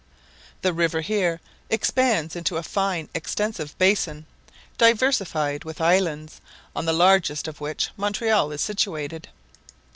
The river here expands into a fine extensive basin, diversified with islands, on the largest of which Montreal is situated.